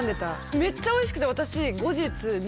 めっちゃおいしくて私。